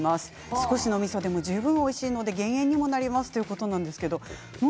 少しのみそでも十分おいしいので減塩にもなります。